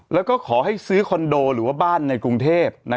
แล้วก็ขอให้ซื้อคอนโดหรือว่าบ้านในกรุงเทพ